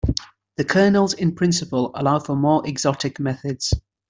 The kernels in principle allow for much more exotic methods.